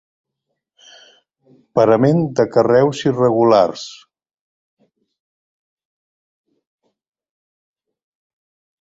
Parament de carreus irregulars.